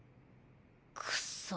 くっそ。